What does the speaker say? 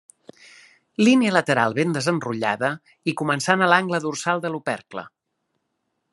Línia lateral ben desenrotllada i començant a l'angle dorsal de l'opercle.